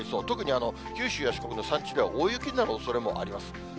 特に九州や四国の山地では、大雪になるおそれもあります。